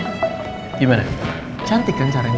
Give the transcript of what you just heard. gimana cantik kan caranya